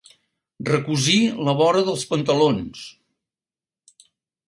Recosir la vora dels pantalons.